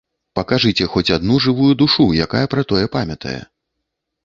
Пакажыце хоць адну жывую душу, якая пра тое памятае!